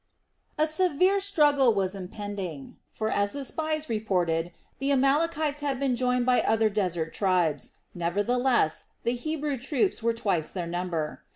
A severe struggle was impending; for as the spies reported, the Amalekites had been joined by other desert tribes. Nevertheless the Hebrew troops were twice their number.